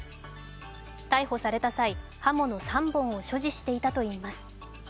逮捕された際、刃物３本を所持していたといいます